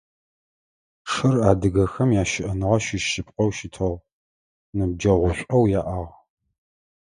Шыр адыгэхэм ящыӏэныгъэ щыщ шъыпкъэу щытыгъ, ныбджэгъушӏоу яӏагъ.